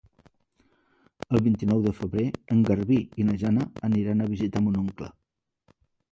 El vint-i-nou de febrer en Garbí i na Jana aniran a visitar mon oncle.